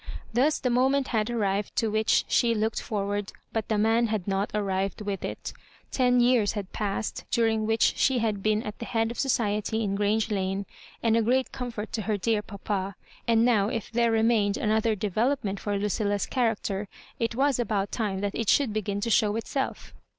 Thus the moment had arrived to which she looked forward, but the man had not arrived with it Ten years had passed, during which she had been at the head of society in Grange Lane, and a great comfort to her dear papa ; and now, if there remained another development for Lucil la's character, it was about time that it should begin to show itself!